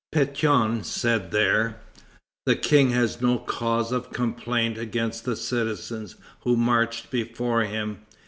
Pétion said there: "The King has no cause of complaint against the citizens who marched before him.